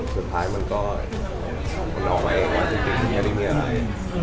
สุดท้ายมันก็มันออกมาเองว่าจริงมันก็ได้มีอะไร